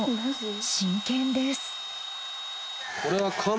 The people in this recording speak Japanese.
真剣です。